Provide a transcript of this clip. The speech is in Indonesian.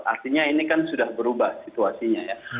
artinya ini kan sudah berubah situasinya ya